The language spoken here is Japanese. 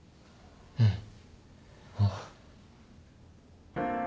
うん。ああ。